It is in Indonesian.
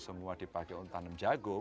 semua dipakai untuk tanam jagung